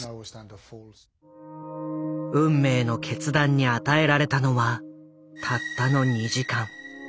運命の決断に与えられたのはたったの２時間。